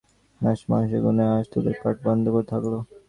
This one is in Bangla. নাগ-মহাশয়ের শুভাগমনে আজ তোদের পাঠ বন্ধ থাকল।